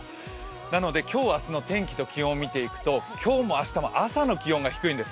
なので今日、明日の天気と気温を見ていくと今日も明日も朝の気温が低いんです。